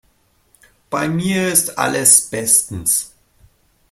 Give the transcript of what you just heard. Bei mir ist alles bestens.